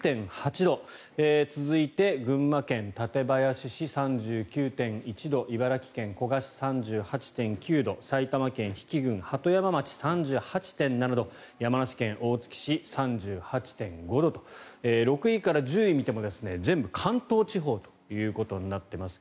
続いて群馬県館林市、３９．１度茨城県古河市、３８．９度埼玉県比企郡鳩山町３８．７度山梨県大月市、３８．５度と６位から１０位を見ても全部、関東地方となっています。